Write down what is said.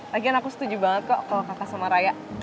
lagian aku setuju banget kok kalau kakak sama raya